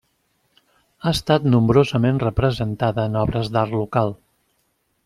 Ha estat nombrosament representada en obres d'art local.